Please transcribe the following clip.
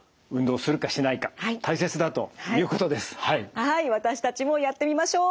はい私たちもやってみましょう！